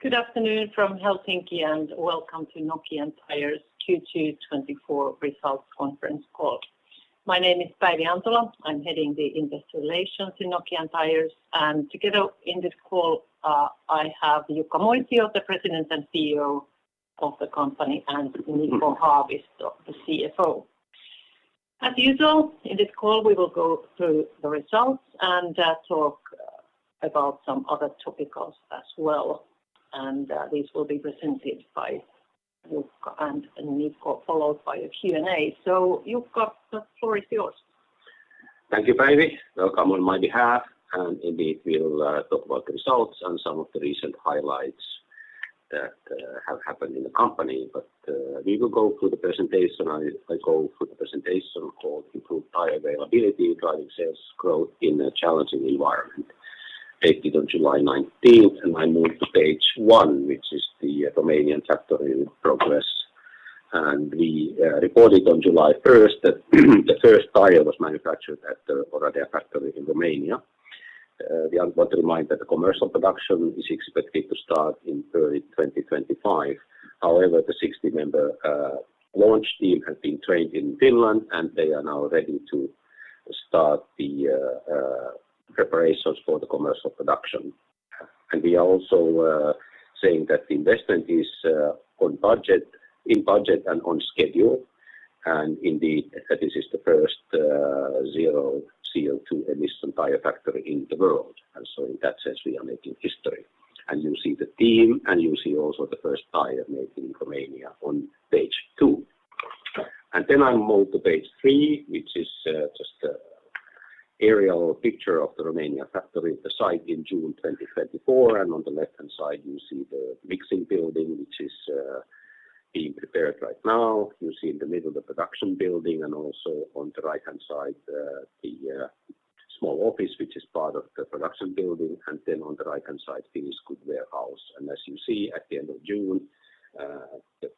Good afternoon from Helsinki, and welcome to Nokian Tyres Q2 2024 Results Conference Call. My name is Päivi Antola. I'm heading the investor relations in Nokian Tyres, and together in this call, I have Jukka Moisio, the President and CEO of the company, and Niko Haavisto, the CFO. As usual, in this call, we will go through the results and, talk about some other topics as well, and, these will be presented by Jukka and, and Niko, followed by a Q&A. So Jukka, the floor is yours. Thank you, Päivi. Welcome on my behalf, and indeed, we'll talk about the results and some of the recent highlights that have happened in the company. But we will go through the presentation. I go through the presentation called Improved Tire Availability, Driving Sales Growth in a Challenging Environment, dated on July 19. And I move to page one, which is the Romanian factory in progress. And we reported on July 1, that the first tire was manufactured at the Oradea factory in Romania. We want to remind that the commercial production is expected to start in early 2025. However, the 60-member launch team has been trained in Finland, and they are now ready to start the preparations for the commercial production. We are also saying that the investment is on budget, in budget and on schedule, and indeed, this is the first zero CO2 emission tire factory in the world. So in that sense, we are making history. You'll see the team, and you'll see also the first tire made in Romania on page two. Then I move to page three, which is just an aerial picture of the Romanian factory, the site in June 2024. On the left-hand side, you see the mixing building, which is being prepared right now. You see in the middle, the production building, and also on the right-hand side, the small office, which is part of the production building, and then on the right-hand side, finished goods warehouse. As you see, at the end of June, the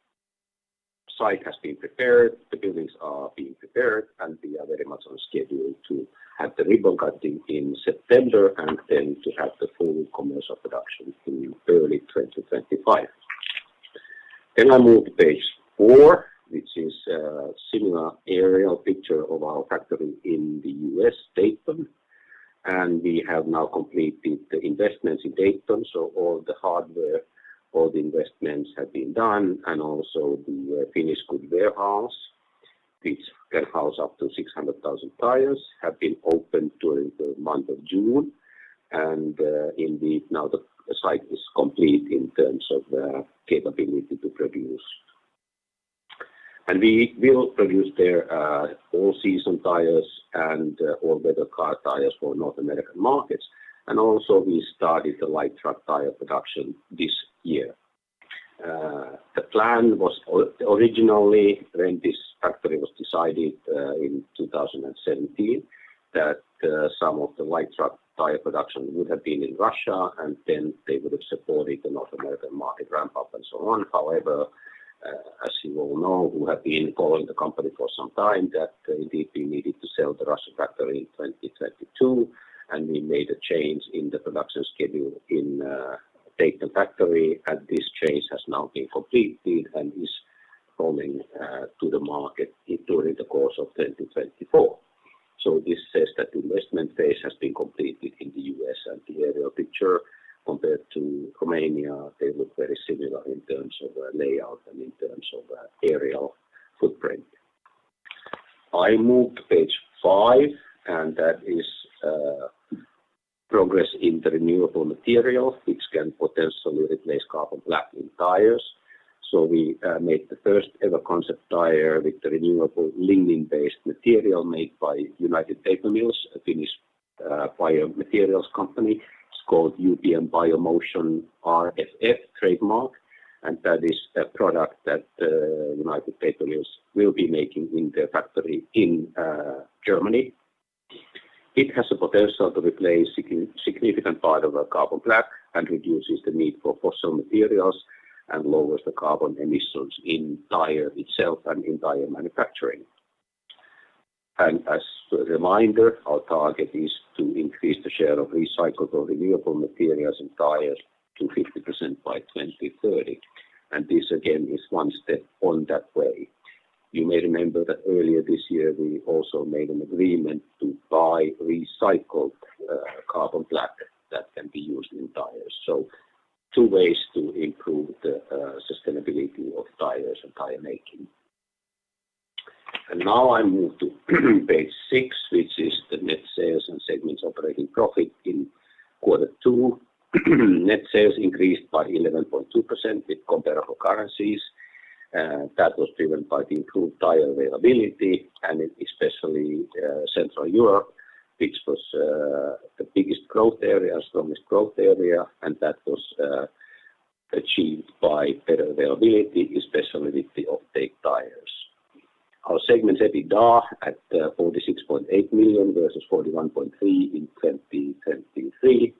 site has been prepared, the buildings are being prepared, and we are very much on schedule to have the ribbon cutting in September and then to have the full commercial production in early 2025. I move to page four, which is a similar aerial picture of our factory in the U.S. Dayton, and we have now completed the investments in Dayton, so all the hardware, all the investments have been done, and also the finished goods warehouse. This can house up to 600,000 tires, has been opened during the month of June, and indeed, now the site is complete in terms of the capability to produce. We will produce there all-season tires and all-weather car tires for North American markets. And also, we started the light truck tire production this year. The plan was originally, when this factory was decided, in 2017, that some of the light truck tire production would have been in Russia, and then they would have supported the North American market ramp-up and so on. However, as you all know, who have been following the company for some time, that indeed, we needed to sell the Russia factory in 2022, and we made a change in the production schedule in Dayton factory, and this change has now been completed and is coming to the market during the course of 2024. So this says that the investment phase has been completed in the U.S., and the aerial picture, compared to Romania, they look very similar in terms of the layout and in terms of the aerial footprint. I move to page five, and that is progress in the renewable material, which can potentially replace carbon black in tires. So we made the first-ever concept tire with the renewable lignin-based material made by United Paper Mills, a Finnish biomaterials company. It's called UPM BioMotion RFF trademark, and that is a product that United Paper Mills will be making in their factory in Germany. It has the potential to replace a significant part of a carbon black and reduces the need for fossil materials and lowers the carbon emissions in tire itself and in tire manufacturing. As a reminder, our target is to increase the share of recycled or renewable materials in tires to 50% by 2030, and this again is one step on that way. You may remember that earlier this year, we also made an agreement to buy recycled carbon black that can be used in tires. So two ways to improve the sustainability of tires and tire making. And now I move to page six, which is the net sales and segments operating profit in quarter two. Net sales increased by 11.2% with comparable currencies, and that was driven by the improved tire availability and especially Central Europe, which was the biggest growth areas, strongest growth area, and that was achieved by better availability, especially with the off-take tires. Our segment EBITDA at 46.8 million versus 41.3 million in 2023,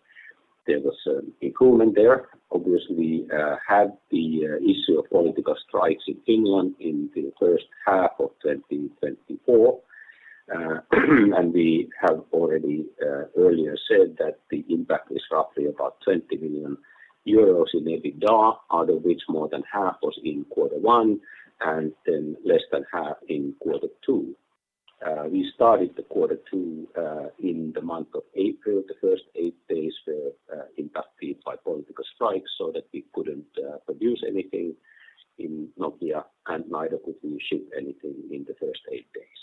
there was an improvement there. Obviously, had the issue of political strikes in Finland in the first half of 2024. And we have already earlier said that the impact is roughly about 20 million euros in EBITDA, out of which more than half was in quarter one, and then less than half in quarter two. We started quarter two in the month of April. The first eight days were impacted by political strikes, so that we couldn't produce anything in Nokia, and neither could we ship anything in the first eight days.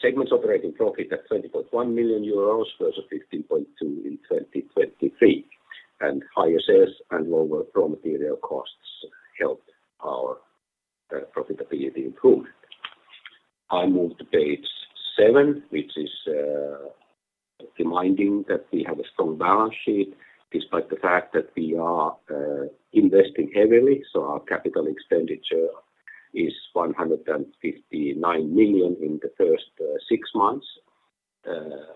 Segments operating profit at 20.1 million euros versus 15.2 million in 2023, and higher sales and lower raw material costs helped our profitability improvement. I move to page seven, which is reminding that we have a strong balance sheet despite the fact that we are investing heavily, so our capital expenditure is 159 million in the first six months.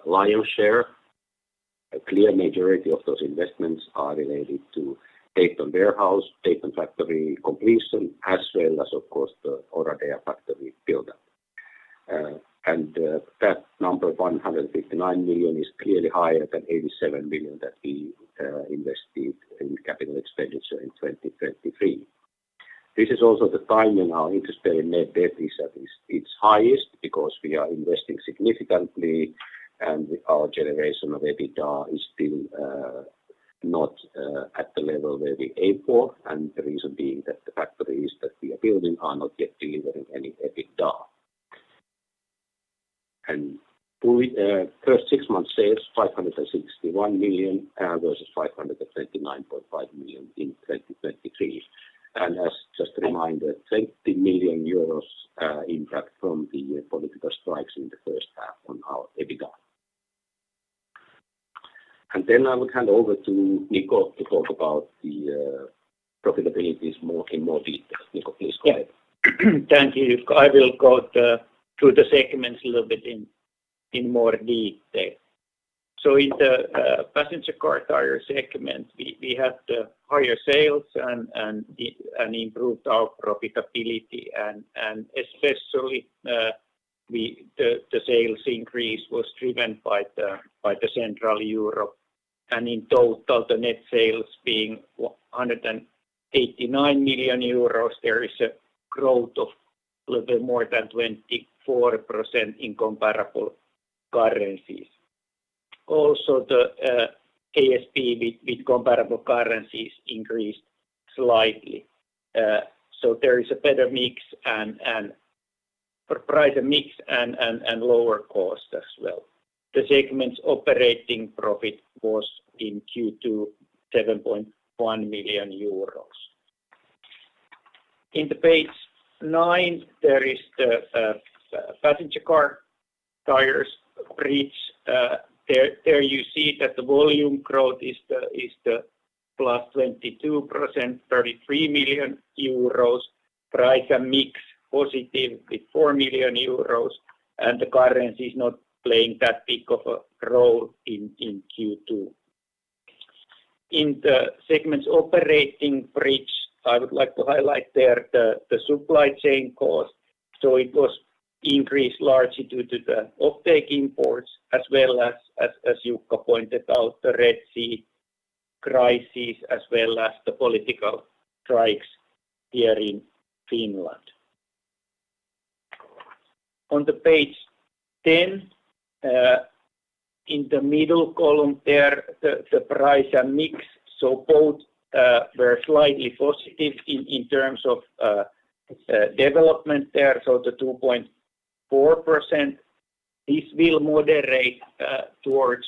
Lion's share, a clear majority of those investments are related to Dayton warehouse, Dayton factory completion, as well as, of course, the Oradea factory build-up. That number, 159 million, is clearly higher than 87 million that we invested in capital expenditure in 2023. This is also the time when our interest-bearing net debt is at its highest because we are investing significantly, and our generation of EBITDA is still not at the level where we aim for, and the reason being that the factories that we are building are not yet delivering any EBITDA. We first six months sales, 561 million versus 539.5 million in 2023. As just a reminder, 20 million euros impact from the political strikes in the first half on our EBITDA. Then I will hand over to Niko to talk about the profitability in more detail. Niko, please go ahead. Yeah. Thank you, Jukka. I will go to the segments a little bit in more detail. So in the passenger car tire segment, we have the higher sales and improved our profitability, and especially, the sales increase was driven by the Central Europe. And in total, the net sales being 189 million euros, there is a growth of a little bit more than 24% in comparable currencies. Also, the ASP with comparable currencies increased slightly. So there is a better mix and for price and mix and lower cost as well. The segment's operating profit was in Q2, 7.1 million euros. On page nine, there is the passenger car tires bridge. There you see that the volume growth is +22%, 33 million euros. Price and mix, +4 million euros, and the currency is not playing that big of a role in Q2. In the segment's operating bridge, I would like to highlight the supply chain cost. So it was increased largely due to the off-take imports, as well as Jukka pointed out, the Red Sea crisis, as well as the political strikes here in Finland. On page 10, in the middle column there, the price and mix were slightly positive in terms of development there, so 2.4%. This will moderate towards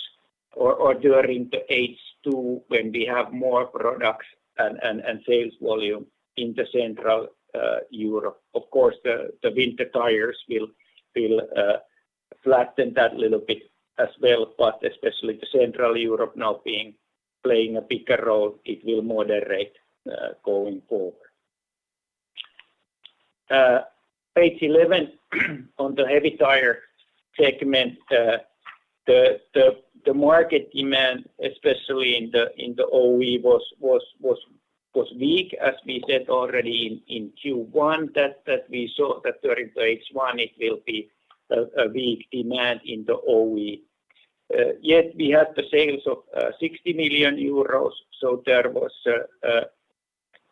or during the H2, when we have more products and sales volume in Central Europe. Of course, the winter tires will flatten that little bit as well, but especially Central Europe now playing a bigger role, it will moderate going forward. Page 11, on the heavy tire segment, the market demand, especially in the OE, was weak, as we said already in Q1, that we saw that during the H1, it will be a weak demand in the OE. Yet we had the sales of 60 million euros, so there was a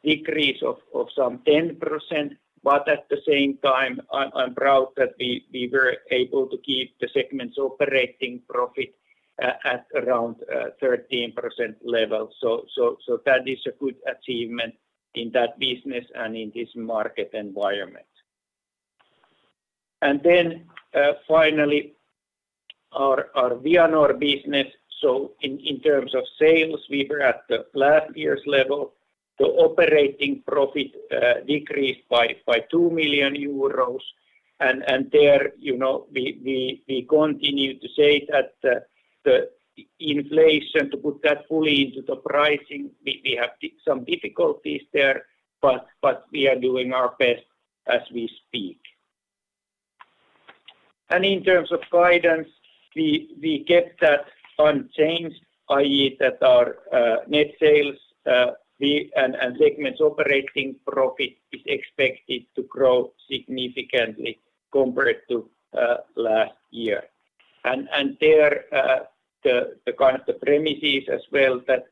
decrease of some 10%. But at the same time, I'm proud that we were able to keep the segment's operating profit at around 13% level. So that is a good achievement in that business and in this market environment. Then, finally, our Vianor business. So in terms of sales, we were at last year's level. The operating profit decreased by 2 million euros. And there, you know, we continue to say that the inflation, to put that fully into the pricing, we have some difficulties there, but we are doing our best as we speak. And in terms of guidance, we kept that unchanged, i.e., that our net sales and segments operating profit is expected to grow significantly compared to last year. And there, the kind of the premises as well, that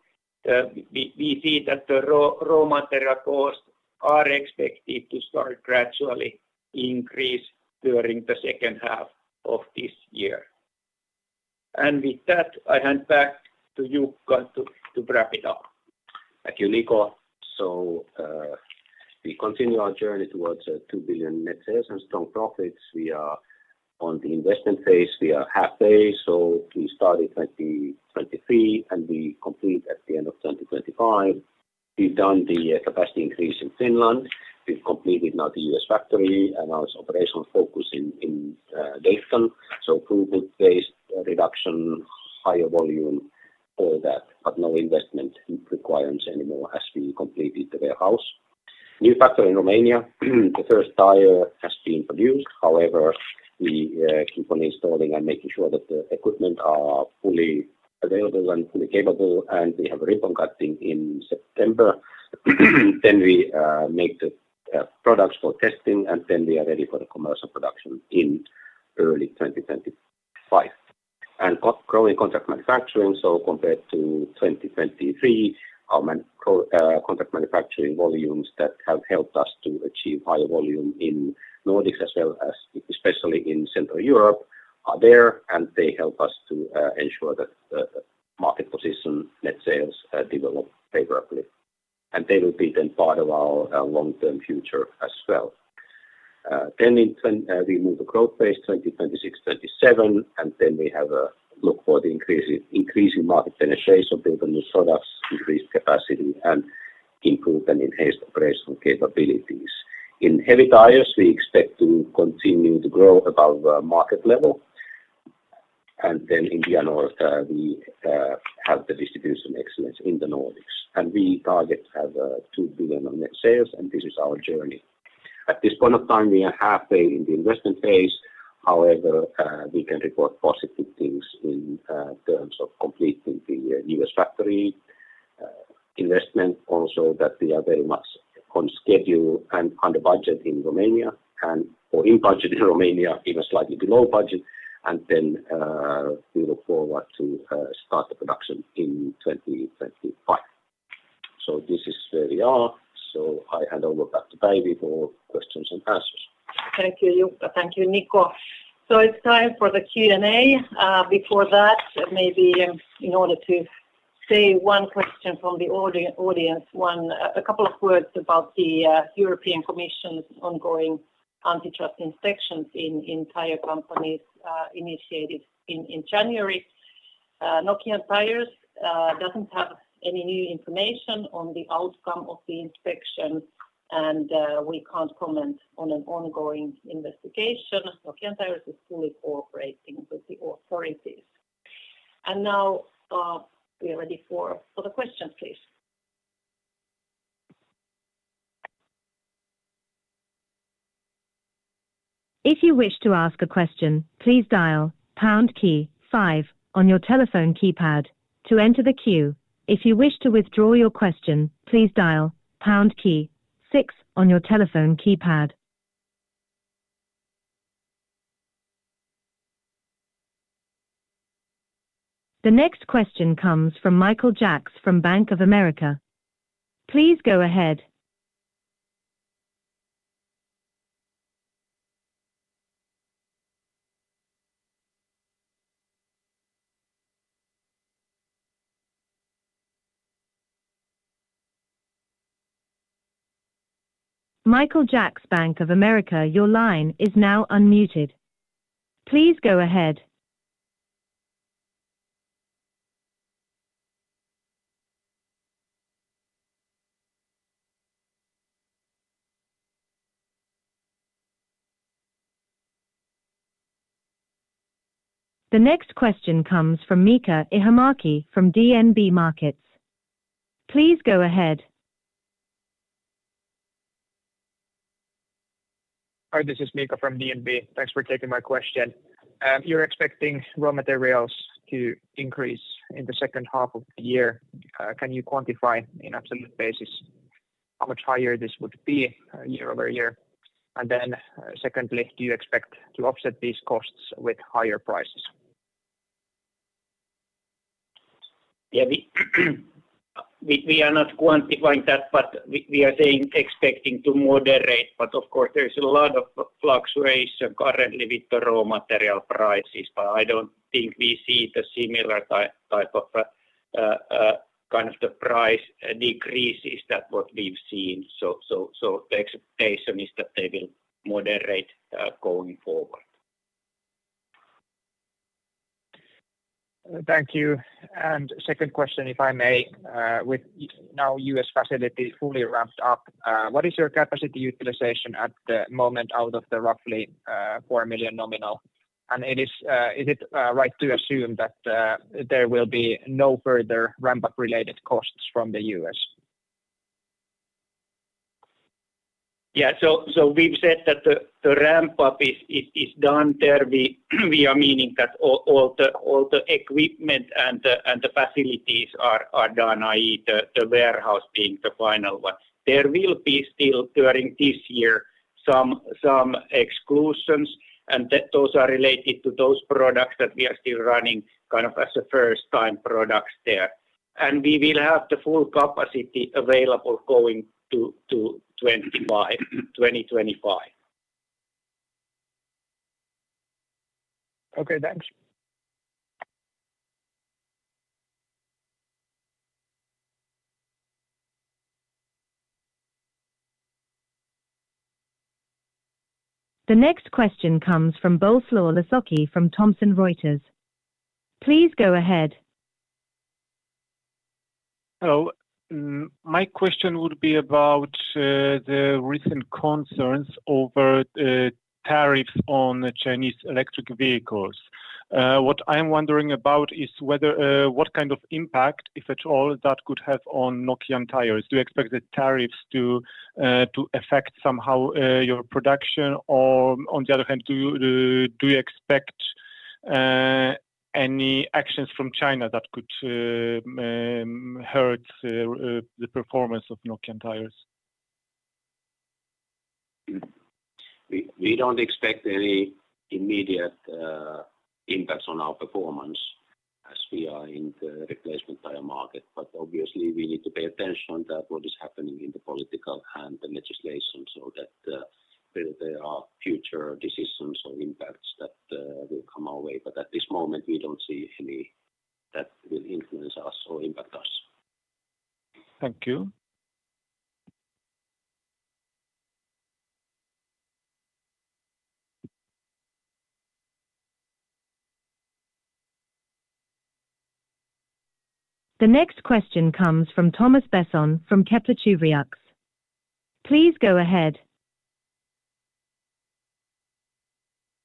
we see that the raw material costs are expected to start gradually increase during the second half of this year. With that, I hand back to you, Jukka, to wrap it up. Thank you, Niko. So, we continue our journey towards 2 billion net sales and strong profits. We are on the investment phase. We are halfway, so we started 2023, and we complete at the end of 2025. We've done the capacity increase in Finland. We've completed now the U.S. factory, and now it's operational focus in Dayton. So improved waste reduction, higher volume, all that, but no investment requirements anymore as we completed the warehouse. New factory in Romania, the first tire has been produced. However, we keep on installing and making sure that the equipment are fully available and fully capable, and we have a ribbon cutting in September. Then we make the products for testing, and then we are ready for the commercial production in early 2025. Growing contract manufacturing, so compared to 2023, our contract manufacturing volumes that have helped us to achieve higher volume in Nordics as well as especially in Central Europe are there, and they help us to ensure that the market position, net sales develop favorably. And they will be then part of our long-term future as well. Then in 2025 we move to growth phase, 2026, 2027, and then we have a look for the increasing, increasing market penetration, build the new products, increase capacity, and improve and enhance operational capabilities. In Heavy Tires, we expect to continue to grow above the market level. And then in the North, we have the distribution excellence in the Nordics, and we target have 2 billion on net sales, and this is our journey. At this point of time, we are halfway in the investment phase. However, we can report positive things in terms of completing the U.S. factory investment. Also, that we are very much on schedule and under budget in Romania, or in budget in Romania, even slightly below budget. And then, we look forward to start the production in 2025. So this is where we are. So I hand over back to Päivi for questions and answers. Thank you, Jukka. Thank you, Niko. So it's time for the Q&A. Before that, maybe in order to say one question from the audience, a couple of words about the European Commission's ongoing antitrust inspections in tire companies, initiated in January. Nokian Tyres doesn't have any new information on the outcome of the inspection, and we can't comment on an ongoing investigation. Nokian Tyres is fully cooperating with the authorities. Now, we are ready for the questions, please. If you wish to ask a question, please dial pound key five on your telephone keypad to enter the queue. If you wish to withdraw your question, please dial pound key six on your telephone keypad. The next question comes from Michael Jacks from Bank of America. Please go ahead. Michael Jacks, Bank of America, your line is now unmuted. Please go ahead. The next question comes from Miika Ihamäki from DNB Markets. Please go ahead. Hi, this is Miika from DNB. Thanks for taking my question. You're expecting raw materials to increase in the second half of the year. Can you quantify in absolute basis how much higher this would be year-over-year? And then secondly, do you expect to offset these costs with higher prices? Yeah, we are not quantifying that, but we are saying expecting to moderate. But of course, there's a lot of fluctuation currently with the raw material prices, but I don't think we see the similar type of kind of the price decreases that what we've seen. So the expectation is that they will moderate going forward. Thank you. Second question, if I may, with now U.S. facility fully ramped up, what is your capacity utilization at the moment out of the roughly 4 million nominal? Is it right to assume that there will be no further ramp-up related costs from the U.S.? Yeah, so we've said that the ramp-up is done there. We are meaning that all the equipment and the facilities are done, i.e., the warehouse being the final one. There will be still, during this year, some exclusions, and that those are related to those products that we are still running kind of as first-time products there. And we will have the full capacity available going to 2025. Okay, thanks. The next question comes from Boleslaw Lasocki from Thomson Reuters. Please go ahead. Hello. My question would be about the recent concerns over tariffs on Chinese electric vehicles. What I'm wondering about is whether what kind of impact, if at all, that could have on Nokian Tyres. Do you expect the tariffs to affect somehow your production? Or on the other hand, do you expect any actions from China that could hurt the performance of Nokian Tyres? We don't expect any immediate, impact on our performance as we are in the replacement tire market. But obviously, we need to pay attention on that, what is happening in the political and the legislation so that, there are future decisions or impacts that, will come our way. But at this moment, we don't see any that will influence us or impact us. Thank you. The next question comes from Thomas Besson from Kepler Cheuvreux. Please go ahead.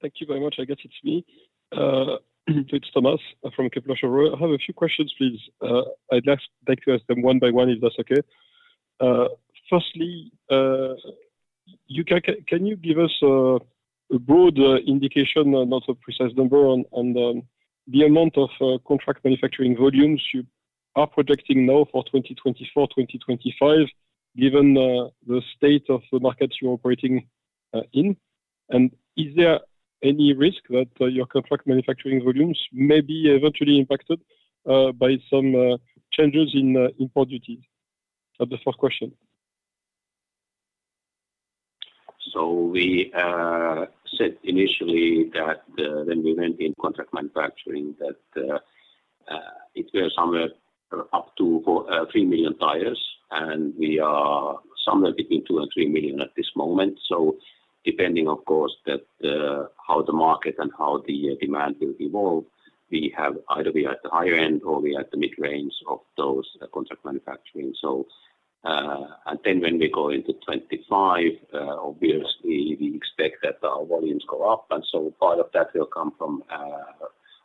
Thank you very much. I guess it's me. It's Thomas from Kepler Cheuvreux. I have a few questions, please. I'd just like to ask them one by one, if that's okay. Firstly, Jukka, can you give us a broad indication, not a precise number on the amount of contract manufacturing volumes you are projecting now for 2024, 2025, given the state of the markets you're operating in? And is there any risk that your contract manufacturing volumes may be eventually impacted by some changes in import duties? That's the first question. So we said initially that when we went in contract manufacturing, that it was somewhere up to 3 million tires, and we are somewhere between 2-3 million at this moment. So depending, of course, that how the market and how the demand will evolve, we have either we are at the higher end or we are at the mid-range of those contract manufacturing. So, and then when we go into 2025, obviously, we expect that our volumes go up, and so part of that will come from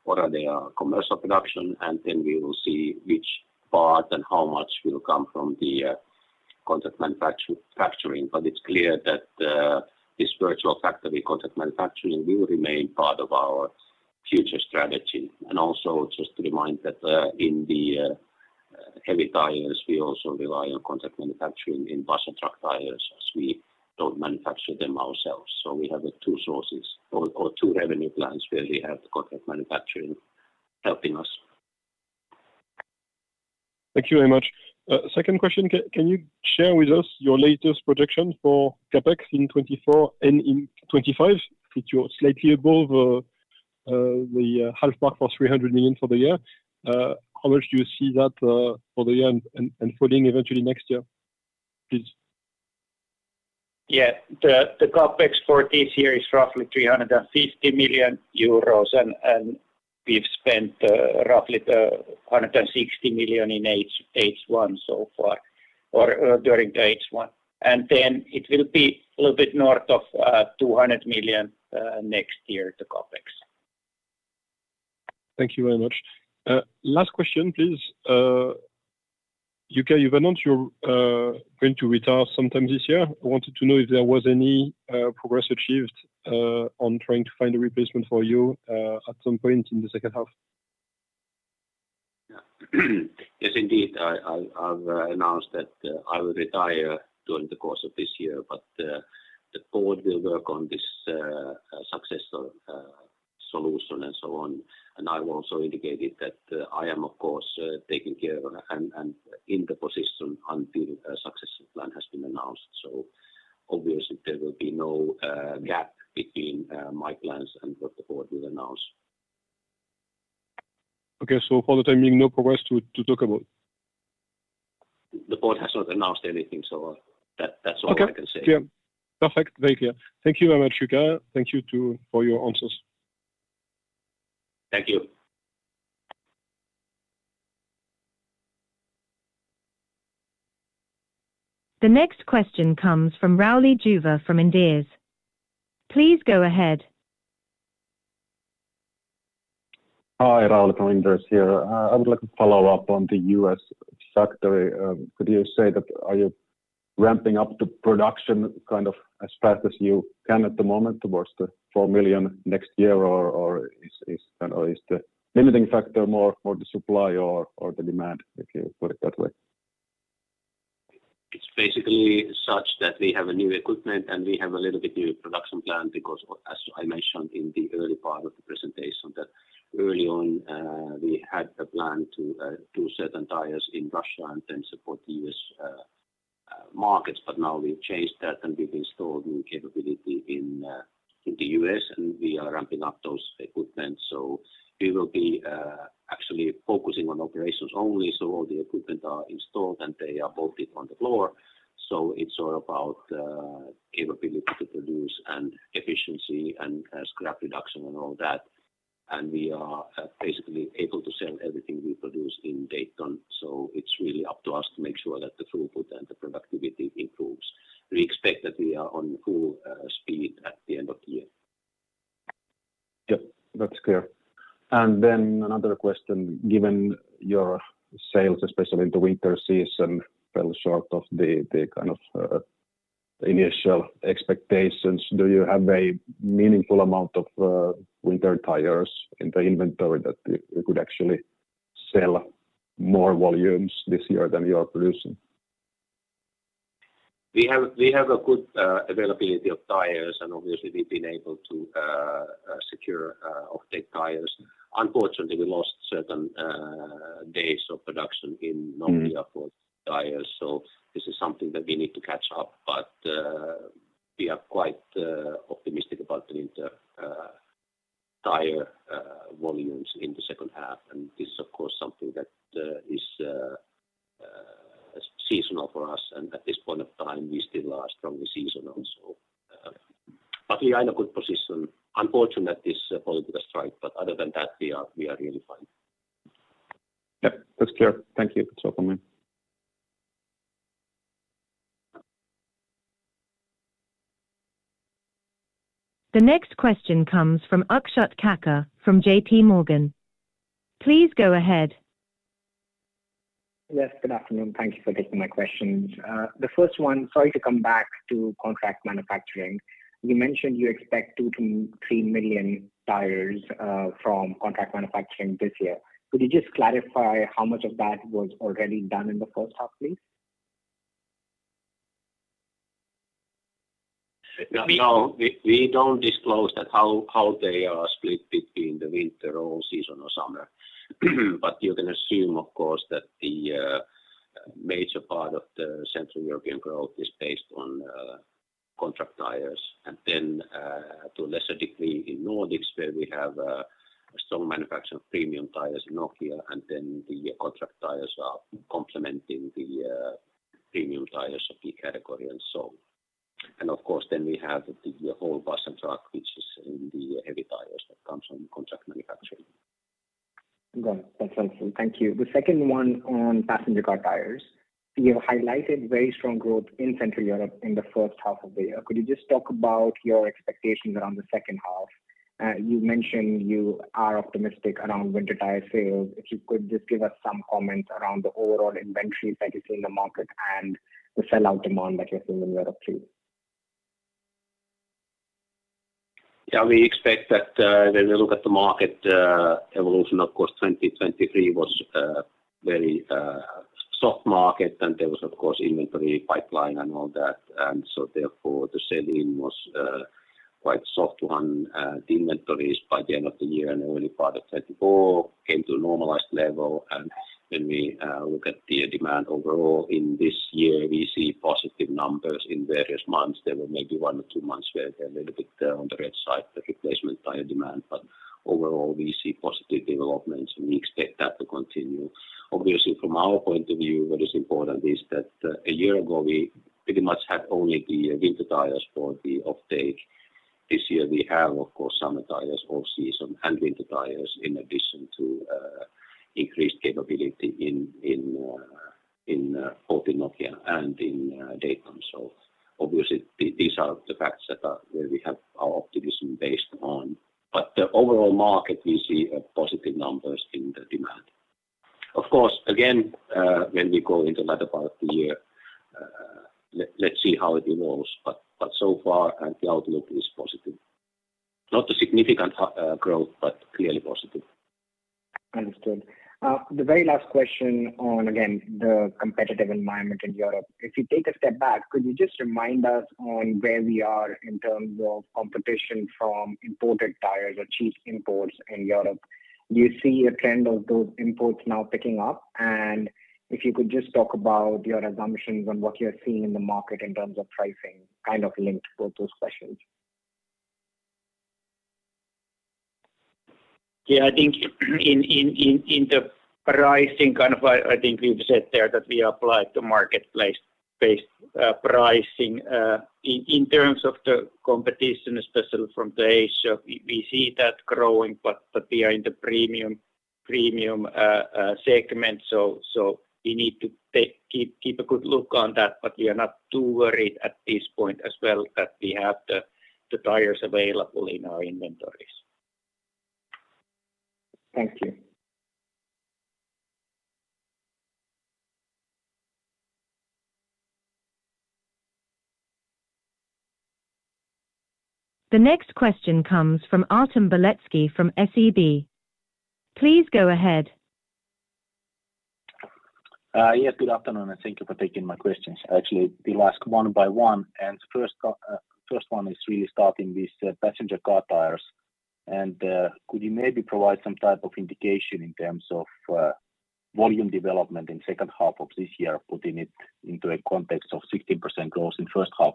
what are the commercial production, and then we will see which part and how much will come from the contract manufacturing. But it's clear that this virtual factory, contract manufacturing, will remain part of our future strategy. Also just to remind that in the Heavy Tires, we also rely on contract manufacturing in bus and truck tires, as we don't manufacture them ourselves. So we have the two sources or two revenue plans where we have contract manufacturing helping us. Thank you very much. Second question, can you share with us your latest projection for CapEx in 2024 and in 2025, if you're slightly above the half mark for 300 million for the year? How much do you see that for the year and falling eventually next year, please? Yeah. The CapEx for this year is roughly 350 million euros, and we've spent roughly 160 million in H1 so far, or during the H1. And then it will be a little bit north of 200 million next year, the CapEx. Thank you very much. Last question, please. Jukka, you've announced you're going to retire sometime this year. I wanted to know if there was any progress achieved on trying to find a replacement for you at some point in the second half? Yeah. Yes, indeed. I've announced that I will retire during the course of this year, but the board will work on this successor solution and so on. And I've also indicated that I am, of course, taking care and in the position until a successor plan has been announced. So obviously, there will be no gap between my plans and what the board will announce. Okay. So for the time being, no progress to talk about? The board has not announced anything, so that... Okay. That's all I can say. Yeah. Perfect. Very clear. Thank you very much, Jukka. Thank you, too, for your answers. Thank you. The next question comes from Rauli Juva from Inderes. Please go ahead. Hi, Rauli from Inderes here. I would like to follow up on the U.S. factory. Could you say, are you ramping up the production kind of as fast as you can at the moment towards the 4 million next year, or is the limiting factor more the supply or the demand, if you put it that way? It's basically such that we have a new equipment, and we have a little bit new production plan because as I mentioned in the early part of the presentation, that early on, we had a plan to do certain tires in Russia and then support the U.S. markets. But now we've changed that, and we've installed new capability in the U.S. and we are ramping up those equipment. So we will be actually focusing on operations only, so all the equipment are installed, and they are bolted on the floor. So it's all about capability to produce and efficiency and scrap reduction and all that. And we are basically able to sell everything we produce in Dayton. So it's really up to us to make sure that the throughput and the productivity improves. We expect that we are on full speed at the end of the year. Yep, that's clear. And then another question, given your sales, especially in the winter season, fell short of the kind of initial expectations, do you have a meaningful amount of winter tires in the inventory that you could actually sell more volumes this year than you are producing? We have, we have a good availability of tires, and obviously, we've been able to secure off-take tires. Unfortunately, we lost certain days of production in Nokia for tires, so this is something that we need to catch up. But we are quite optimistic about the winter tire volumes in the second half, and this is, of course, something that is seasonal for us, and at this point of time, we still are strongly seasonal. So, but we are in a good position. Unfortunately, this political strike, but other than that, we are, we are really fine. Yep, that's clear. Thank you for talking to me. The next question comes from Akshat Kacker, from JPMorgan. Please go ahead. Yes, good afternoon. Thank you for taking my questions. The first one, sorry to come back to contract manufacturing. You mentioned you expect 2-3 million tires from contract manufacturing this year. Could you just clarify how much of that was already done in the first half, please? No, we don't disclose that, how they are split between the winter, all season, or summer. But you can assume, of course, that the major part of the Central European growth is based on contract tires. And then, to a lesser degree in Nordics, where we have a strong manufacturing of premium tires in Nokia, and then the contract tires are complementing the premium tires of the category and so on. And of course, then we have the whole bus and truck, which is in the heavy tires that comes from contract manufacturing. Okay, that's awesome. Thank you. The second one on passenger car tires. You have highlighted very strong growth in Central Europe in the first half of the year. Could you just talk about your expectations around the second half? You mentioned you are optimistic around winter tire sales. If you could just give us some comments around the overall inventory that you see in the market and the sell-out demand that you're seeing in Europe, too? Yeah, we expect that when we look at the market evolution, of course, 2023 was a very soft market, and there was, of course, inventory pipeline and all that. And so therefore, the selling was quite soft one. The inventories by the end of the year and early part of 2024 came to a normalized level. And when we look at the demand overall in this year, we see positive numbers in various months. There were maybe one or two months where they're a little bit on the red side, the replacement tire demand, but overall, we see positive developments, and we expect that to continue. Obviously, from our point of view, what is important is that a year ago we pretty much had only the winter tires for the off-take. This year we have, of course, summer tires, all season and winter tires, in addition to increased capability in both Nokia and Dayton. So obviously, these are the facts that are where we have our optimism based on. But the overall market, we see positive numbers in the demand. Of course, again, when we go in the latter part of the year, let's see how it evolves. But so far, and the outlook is positive. Not a significant growth, but clearly positive. Understood. The very last question on, again, the competitive environment in Europe. If you take a step back, could you just remind us on where we are in terms of competition from imported tires or cheap imports in Europe? Do you see a trend of those imports now picking up? And if you could just talk about your assumptions on what you're seeing in the market in terms of pricing, kind of linked to both those questions. Yeah, I think in the pricing, kind of, I think we've said there that we applied the marketplace-based pricing. In terms of the competition, especially from Asia, we see that growing, but we are in the premium, premium segment. So we need to keep a good look on that, but we are not too worried at this point as well, that we have the tires available in our inventories. Thank you. The next question comes from Artem Beletski, from SEB. Please go ahead. Yes, good afternoon, and thank you for taking my questions. Actually, we'll ask one by one, and first, the first one is really starting with passenger car tires. And could you maybe provide some type of indication in terms of volume development in second half of this year, putting it into a context of 60% growth in first half.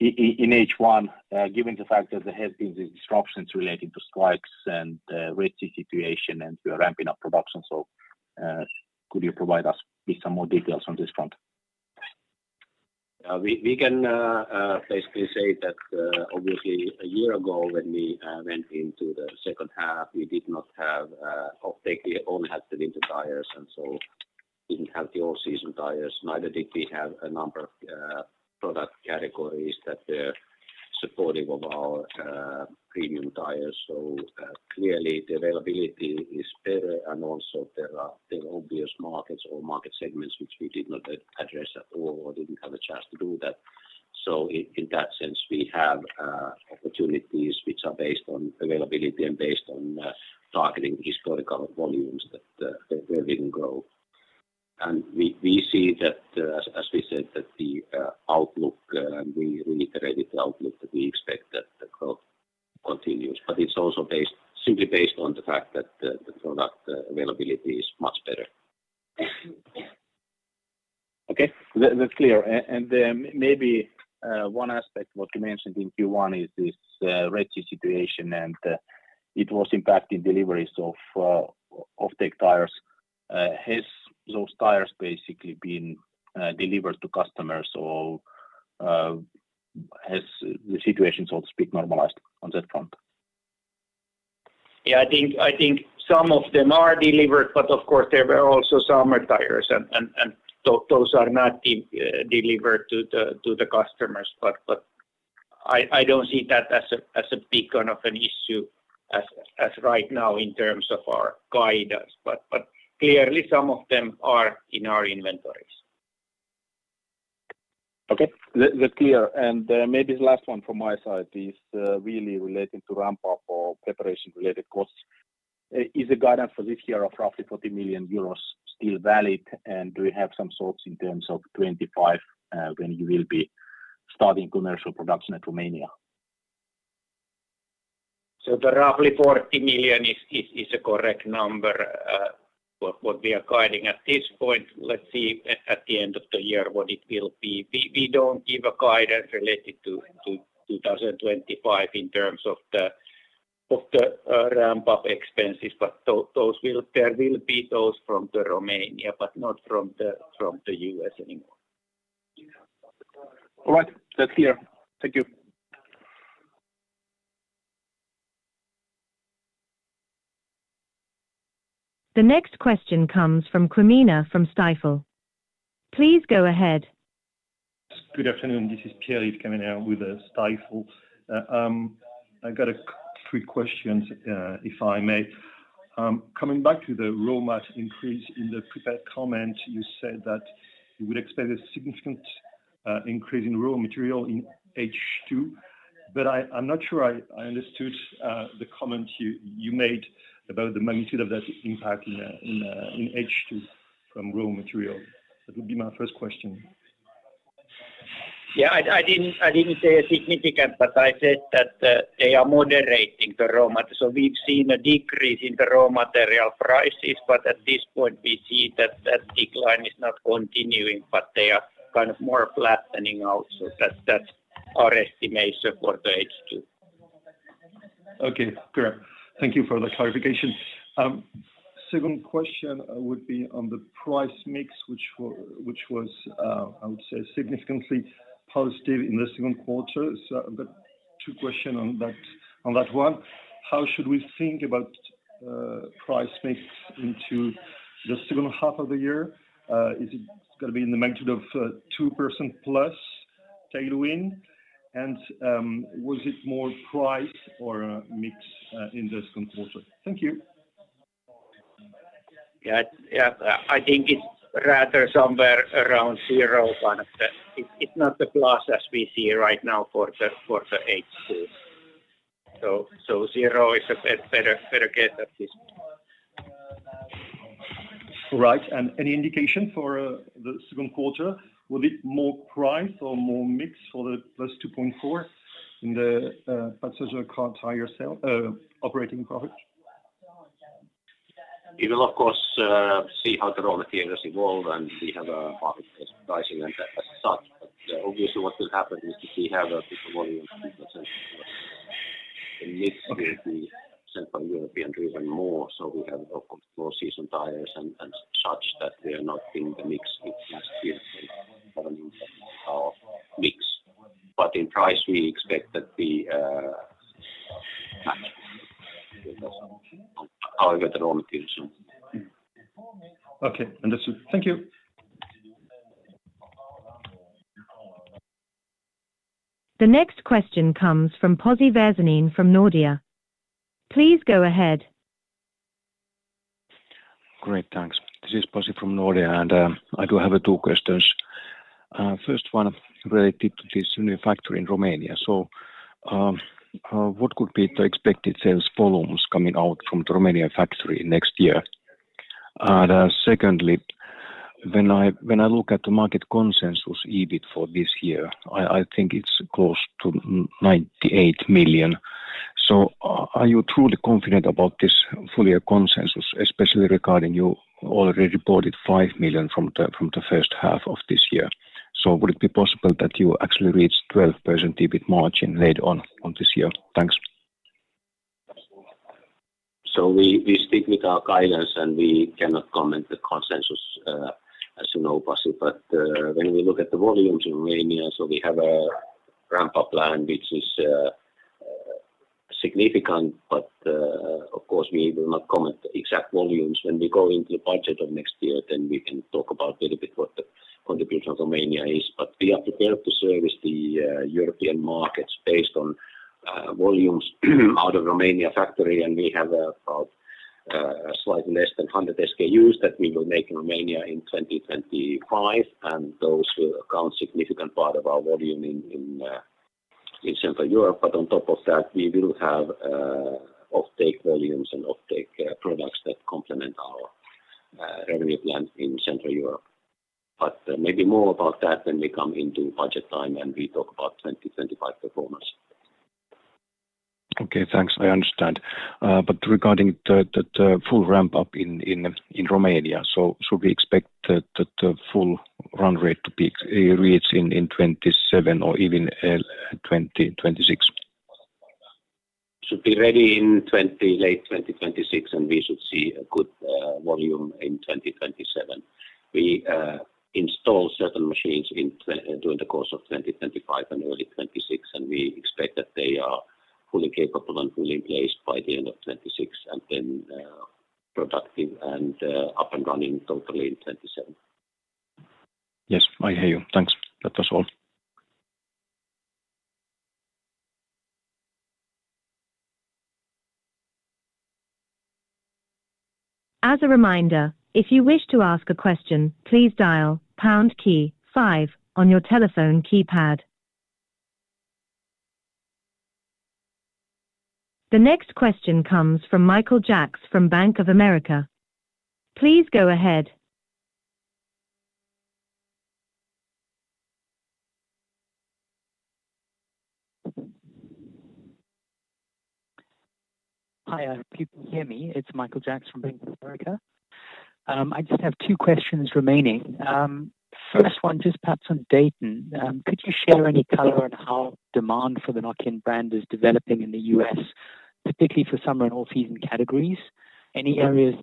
In H1, given the fact that there has been these disruptions related to strikes and Red Sea situation, and we are ramping up production. So, could you provide us with some more details on this front? We can basically say that obviously a year ago, when we went into the second half, we did not have off-take. We only had the winter tires, and so didn't have the all-season tires. Neither did we have a number of product categories that are supportive of our premium tires. So clearly, the availability is better, and also there are obvious markets or market segments which we did not address at all or didn't have a chance to do that. So in that sense, we have opportunities which are based on availability and based on targeting historical volumes that where we can grow. And we see that as we said that the outlook and we reiterated the outlook that we expect that the growth continues. But it's also based, simply based on the fact that the product availability is much better. Okay, that's clear. And then maybe one aspect, what you mentioned in Q1 is this risky situation, and it was impacting deliveries of off-take tires. Has those tires basically been delivered to customers, or has the situation, so to speak, normalized on that front? Yeah, I think some of them are delivered, but of course, there were also summer tires and those are not delivered to the customers. But I don't see that as a big kind of an issue as right now in terms of our guidance. But clearly, some of them are in our inventories. Okay, that, that's clear. And, maybe the last one from my side is, really relating to ramp-up or preparation-related costs. Is the guidance for this year of roughly 40 million euros still valid, and do you have some thoughts in terms of 2025, when you will be starting commercial production at Romania? So the roughly 40 million is a correct number. What we are guiding at this point, let's see at the end of the year what it will be. We don't give a guidance related to 2025 in terms of the ramp-up expenses, but those will, there will be those from Romania, but not from the U.S. anymore. All right. That's clear. Thank you. The next question comes from Pierre Quéméner from Stifel. Please go ahead. Good afternoon. This is Pierre Quéméner with Stifel. I've got a quick questions, if I may. Coming back to the raw mat increase in the prepared comments, you said that you would expect a significant increase in raw material in H2, but I'm not sure I understood the comment you made about the magnitude of that impact in H2 from raw material? That would be my first question. Yeah, I didn't say significant, but I said that they are moderating the raw material. So we've seen a decrease in the raw material prices, but at this point, we see that that decline is not continuing, but they are kind of more flattening out. So that's our estimation for the H2. Okay, great. Thank you for the clarification. Second question would be on the price mix, which was, I would say, significantly positive in the second quarter. So I've got two question on that, on that one. How should we think about price mix into the second half of the year? Is it gonna be in the magnitude of 2%+ tailwind? And, was it more price or mix in the second quarter? Thank you. Yeah. Yeah, I think it's rather somewhere around zero. But it's not the plus as we see right now for the H2. So zero is a better guess at this. Right. Any indication for the second quarter, will it more price or more mix for the +2.4 in the passenger car tire sale operating profit? We will of course see how the raw materials evolve and see how the market is pricing and as such. But obviously, what will happen is we have a big volume percent, and mix will be Central Europe driven more, so we have, of course, all-season tires and such that we are not in the mix with last year. Our mix, but in price, we expect that the higher than all soon. Okay, understood. Thank you. The next question comes from Pasi Väisänen from Nordea. Please go ahead. Great, thanks. This is Pasi from Nordea, and I do have two questions. First one related to this new factory in Romania. So, what could be the expected sales volumes coming out from the Romania factory next year? And secondly, when I look at the market consensus, EBIT for this year, I think it's close to 98 million. So are you truly confident about this full year consensus, especially regarding you already reported 5 million from the first half of this year? So would it be possible that you actually reach 12% EBIT margin later on this year? Thanks. So we stick with our guidance, and we cannot comment the consensus, as you know, Pasi. But when we look at the volumes in Romania, so we have a ramp-up plan, which is significant, but of course, we will not comment the exact volumes. When we go into the budget of next year, then we can talk about a little EBIT what the contribution of Romania is. But we are prepared to service the European markets based on volumes out of Romania factory, and we have about a slight less than 100 SKUs that we will make in Romania in 2025, and those will account a significant part of our volume in Central Europe. But on top of that, we will have offtake volumes and offtake products that complement our revenue plan in Central Europe. But maybe more about that when we come into budget time and we talk about 2025 performance. Okay, thanks. I understand. But regarding the full ramp-up in Romania, so should we expect the full run rate to be reached in 2027 or even 2026? Should be ready in late 2026, and we should see a good volume in 2027. We install certain machines during the course of 2025 and early 2026, and we expect that they are fully capable and fully in place by the end of 2026, and then productive and up and running totally in 2027. Yes, I hear you. Thanks. That was all. As a reminder, if you wish to ask a question, please dial pound key five on your telephone keypad. The next question comes from Michael Jacks from Bank of America. Please go ahead. Hi, can you hear me? It's Michael Jacks from Bank of America. I just have two questions remaining. First one, just perhaps on Dayton. Could you share any color on how demand for the Nokian brand is developing in the U.S. particularly for summer and all-season categories? Any areas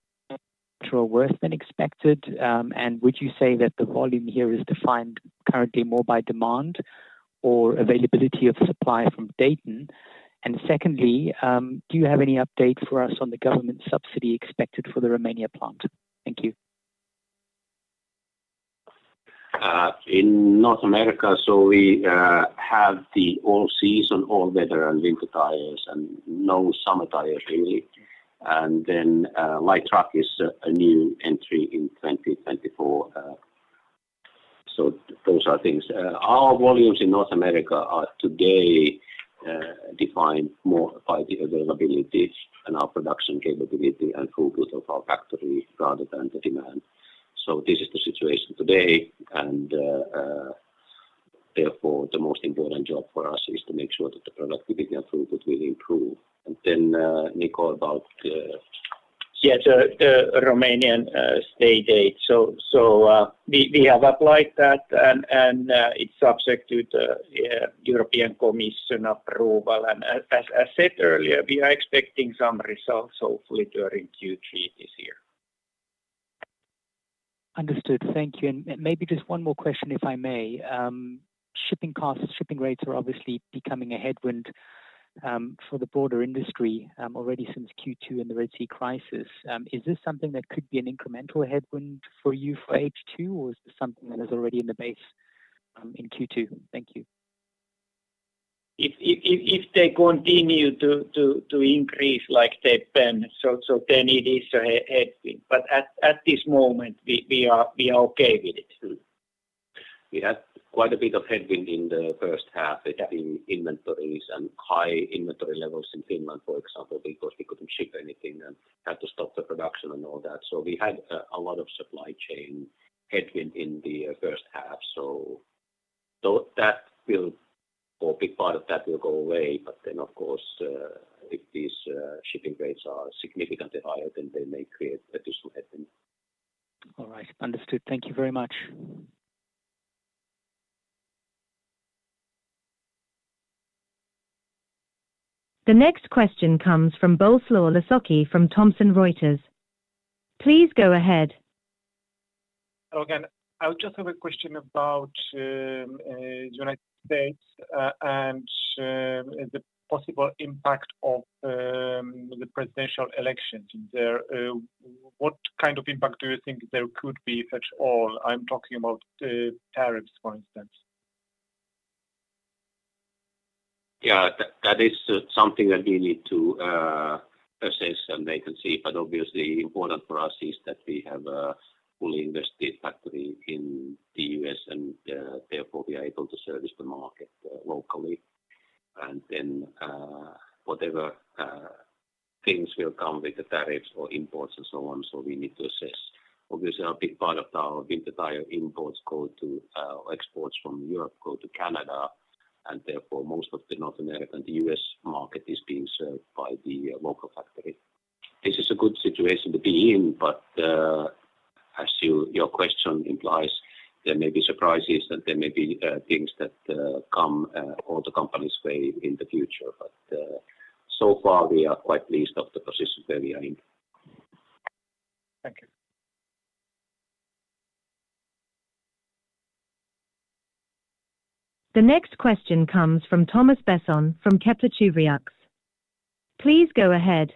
are worse than expected, and would you say that the volume here is defined currently more by demand or availability of supply from Dayton? And secondly, do you have any update for us on the government subsidy expected for the Romania plant? Thank you. In North America, so we have the all-season, all-weather and winter tires and no summer tires really. And then, light truck is a new entry in 2024, so those are things. Our volumes in North America are today defined more by the availabilities and our production capability and throughput of our factory rather than the demand. So this is the situation today, and therefore, the most important job for us is to make sure that the productivity and throughput will improve. And then, Niko, about.. Yeah, the Romanian state aid. So, we have applied that and it's subject to the European Commission approval. And as I said earlier, we are expecting some results hopefully during Q2 this year. Understood. Thank you. And maybe just one more question, if I may. Shipping costs, shipping rates are obviously becoming a headwind for the broader industry already since Q2 and the Red Sea crisis. Is this something that could be an incremental headwind for you for H2, or is this something that is already in the base in Q2? Thank you. If they continue to increase like they've been, then it is a headwind, but at this moment, we are okay with it. We had quite a bit of headwind in the first half in inventories and high inventory levels in Finland, for example, because we couldn't ship anything and had to stop the production and all that. So we had a lot of supply chain headwind in the first half. So though that will... or a big part of that will go away, but then, of course, if these shipping rates are significantly higher, then they may create additional headwind. All right. Understood. Thank you very much. The next question comes from Boleslaw Lasocki from Thomson Reuters. Please go ahead. Hello again. I just have a question about the United States, and the possible impact of the presidential election there. What kind of impact do you think there could be at all? I'm talking about the tariffs, for instance. Yeah, that is something that we need to assess and capacity, but obviously important for us is that we have a fully invested factory in the U.S. and therefore, we are able to service the market locally. Then, whatever things will come with the tariffs or imports and so on, so we need to assess. Obviously, a big part of our winter tire imports go to exports from Europe go to Canada, and therefore, most of the North American, the U.S. market is being served by the local factory. This is a good situation to be in, but as you, your question implies, there may be surprises, and there may be things that come or the company's way in the future. But so far, we are quite pleased with the position that we are in. Thank you. The next question comes from Thomas Besson from Kepler Cheuvreux. Please go ahead.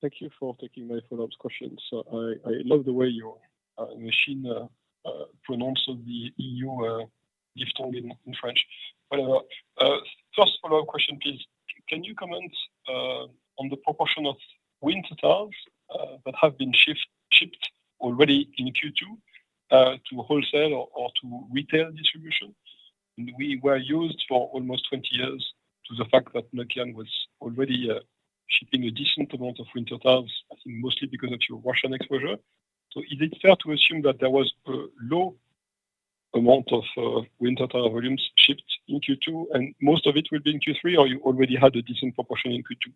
Thank you for taking my follow-up question. So I love the way your machine pronounces the Kepler Cheuvreux in French. Whatever. First follow-up question, please. Can you comment on the proportion of winter tires that have been shipped already in Q2 to wholesale or to retail distribution? And we were used for almost 20 years to the fact that Nokian was already shipping a decent amount of winter tires, I think mostly because of your Russian exposure. So is it fair to assume that there was a low amount of winter tire volumes shipped in Q2, and most of it will be in Q3, or you already had a decent proportion in Q2?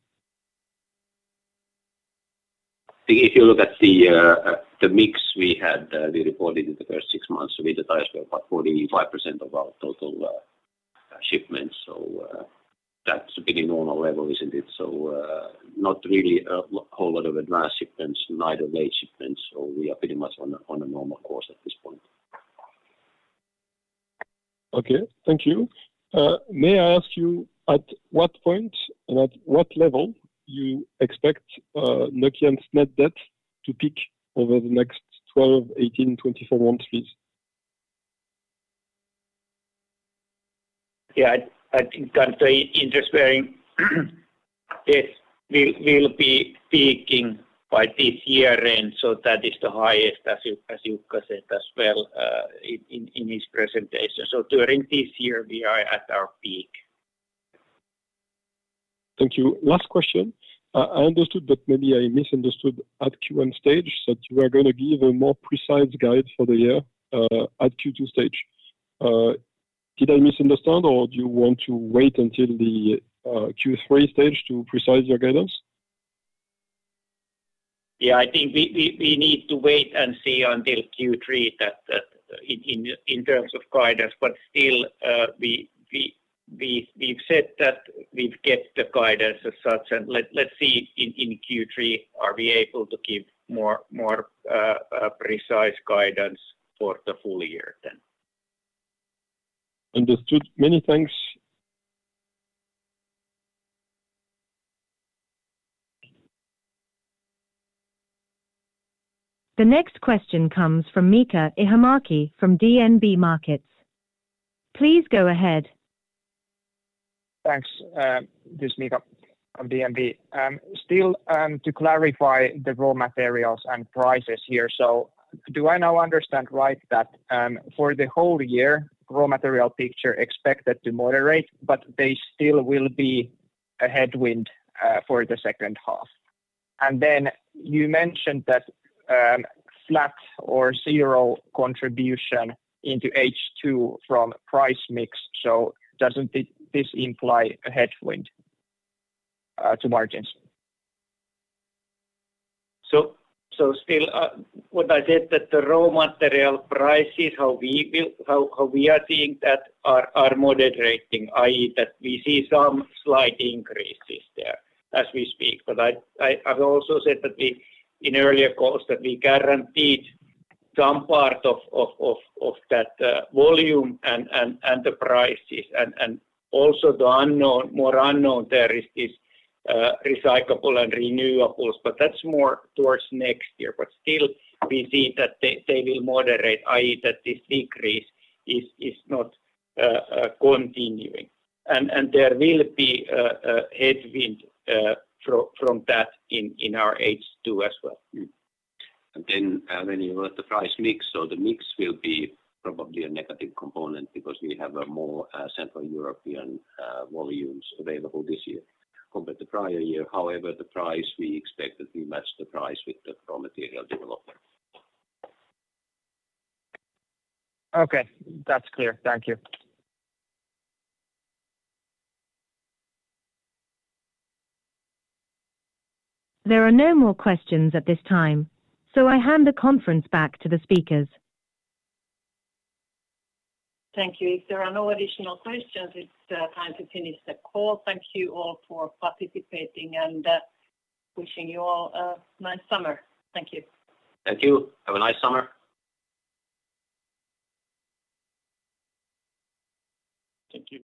If you look at the, the mix we had, we reported in the first six months, winter tires were about 45% of our total shipments. So, that's a pretty normal level, isn't it? So, not really a whole lot of advance shipments neither late shipments, so we are pretty much on a normal course at this point. Okay. Thank you. May I ask you, at what point and at what level you expect Nokian's net debt to peak over the next 12, 18, 24 months, please? Yeah, I think interest bearing it will be peaking by this year end, so that is the highest, as you, as Jukka said as well, in his presentation. So during this year, we are at our peak. Thank you. Last question. I understood, but maybe I misunderstood at Q1 stage, that you are gonna give a more precise guide for the year, at Q2 stage. Did I misunderstand, or do you want to wait until the Q3 stage to provide your guidance? Yeah, I think we need to wait and see until Q3 in terms of guidance. But still, we've said that we've kept the guidance as such, and let's see in Q3 are we able to give more precise guidance for the full year then. Understood. Many thanks. The next question comes from Miika Ihamäki from DNB Markets. Please go ahead. Thanks. This is Miika from DNB. Still, to clarify the raw materials and prices here. So do I now understand right that, for the whole year, raw material picture expected to moderate, but they still will be a headwind, for the second half? And then you mentioned that, flat or zero contribution into H2 from price mix. So doesn't this, this imply a headwind, to margins? So, still, what I said, that the raw material prices, how we feel, how we are seeing that are moderating, i.e., that we see some slight increases there as we speak. But I've also said that we in earlier calls, that we guaranteed some part of that volume and the prices, and also the unknown, more unknown there is recyclable and renewables, but that's more towards next year. But still, we see that they will moderate, i.e., that this decrease is not continuing. And there will be a headwind from that in our H2 as well. And then, when you look at the price mix, so the mix will be probably a negative component because we have more Central European volumes available this year compared to prior year. However, the price we expect that we match the price with the raw material development. Okay. That's clear. Thank you. There are no more questions at this time, so I hand the conference back to the speakers. Thank you. If there are no additional questions, it's time to finish the call. Thank you all for participating, and wishing you all a nice summer. Thank you. Thank you. Have a nice summer. Thank you.